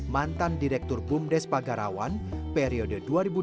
mantan direktur bumdes pagarawan periode dua ribu dua belas dua ribu tujuh belas